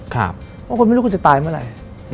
เพราะคุณไม่รู้คุณจะตายเมื่อไหร่